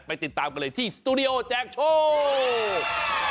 ติดตามกันเลยที่สตูดิโอแจกโชค